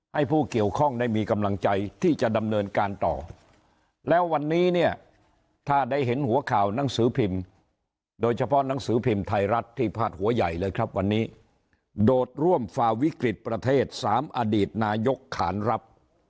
ให้ผู้เกี่ยวข้องได้มีกำลังใจที่จะดำเนินการต่อแล้ววันนี้เนี่ยถ้าได้เห็นหัวข่าวหนังสือพิมพ์โดยเฉพาะหนังสือพิมพ์ไทยรัฐที่พาดหัวใหญ่เลยครับวันนี้โดดร่วมฝ่าวิกฤตประเทศ๓อดีตนายกขานรับ